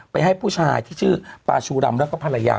ให้ผู้ชายที่ชื่อปาชูรำแล้วก็ภรรยา